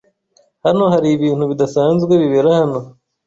Hano hari ibintu bidasanzwe bibera hano.